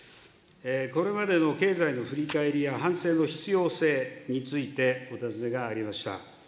これまでの経済の振り返りや反省の必要性について、お尋ねがありました。